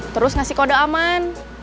terus ngasih kode aman